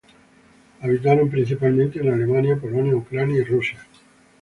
Habitaron principalmente en Alemania, Polonia, Ucrania y Rusia.